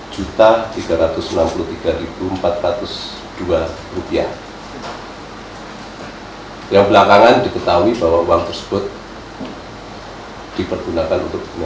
jalan jalan men